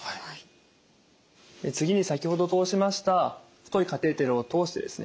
次に先ほど通しました太いカテーテルを通してですね